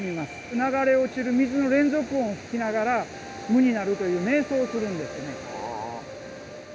流れ落ちる水の連続音を聞きながら、無になるというめい想をするんですよね。